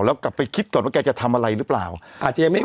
แล้วกลับไปคิดก่อนว่าแกจะทำอะไรหรือเปล่าอาจจะยังไม่มี